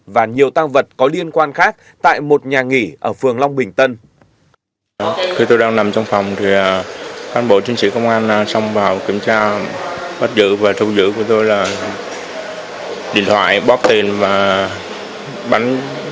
và nhiều tăng vật có liên quan khác tại một nhà nghỉ ở phường long bình tân